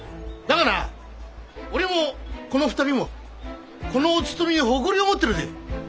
だがな俺もこの２人もこのお務めに誇りを持ってるぜ！